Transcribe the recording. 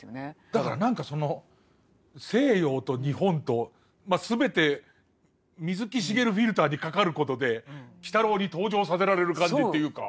だから何かその西洋と日本と全て水木しげるフィルターにかかることで「鬼太郎」に登場させられる感じっていうか。